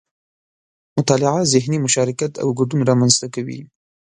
مطالعه ذهني مشارکت او ګډون رامنځته کوي